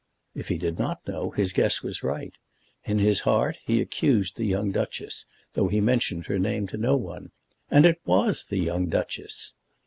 If he did not know, his guess was right. In his heart he accused the young duchess, though he mentioned her name to no one. And it was the young duchess.